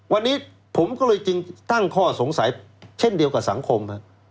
วันนี้ผมก็เลยจึงตั้งข้อสงสัยเช่นเดียวกับสังคม